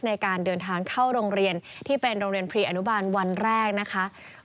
ในการเดินทางเข้าโรงเรียนที่เป็นโรงเรียนพรีอนุบาลวันแรกนะคะ